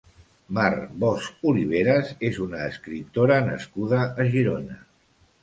Mar Bosch Oliveras és una escriptora nascuda a Girona.